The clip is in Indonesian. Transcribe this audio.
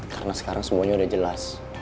karena sekarang semuanya sudah jelas